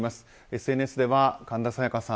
ＳＮＳでは神田沙也加さん